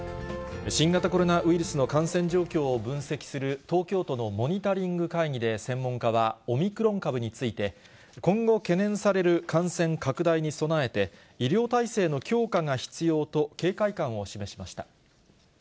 新型コロナウイルスの感染状況を分析する東京都のモニタリング会議で専門家は、オミクロン株について、今後懸念される感染拡大に備えて、医療体制の強化が必要と警戒感を示しました。